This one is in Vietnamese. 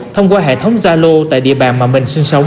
thông qua hệ thống gia lô tại địa bàn mà mình sinh sống